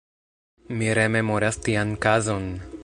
Mi rememoras tian kazon.